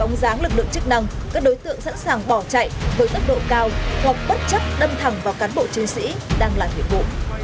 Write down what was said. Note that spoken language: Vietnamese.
với lực lượng chức năng các đối tượng sẵn sàng bỏ chạy với tốc độ cao hoặc bất chấp đâm thẳng vào cán bộ chiến sĩ đang làm hiệp vụ